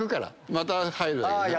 また入るわけだな。